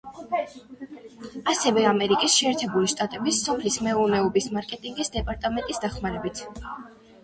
ასევე ამერიკის შეერთებული შტატების სოფლის მეურნეობის მარკეტინგის დეპარტამენტის დახმარებით.